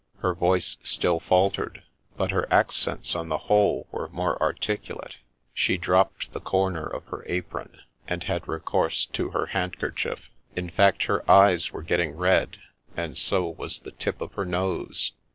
' Her voice still faltered, but her accents on the whole were more articulate ; she dropped the corner of her apron, and had re course to her handkerchief ; in fact, her eyes were getting red, — and so was the tip of her nose.